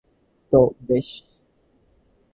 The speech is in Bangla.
তো, বেশ।